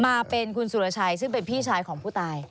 มาเป็นคุณสุรชัยซึ่งเป็นพี่ชายของผู้ตาย